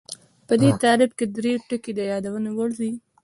په دې تعریف کې درې ټکي د یادونې وړ دي